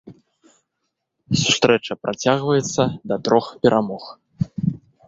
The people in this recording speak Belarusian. Сустрэча працягваецца да трох перамог.